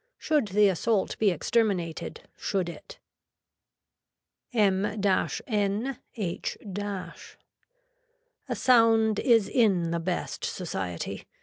Should the assault be exterminated, should it. M N H . A sound is in the best society.